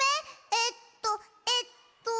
えっとえっと。